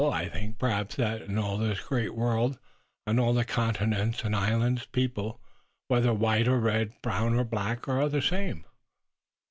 I think perhaps that in all this great world, on all the continents and islands, people, whether white or red, brown or black, are the same."